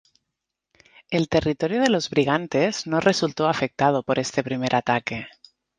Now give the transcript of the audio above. El territorio de los brigantes no resultó afectado por este primer ataque.